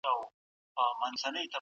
ولي قانون نه پلي کيږي؟